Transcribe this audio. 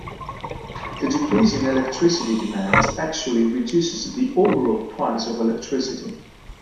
The decrease in electricity demand actually reduces the overall price of electricity.